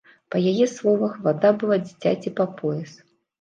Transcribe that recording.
Па яе словах, вада была дзіцяці па пояс.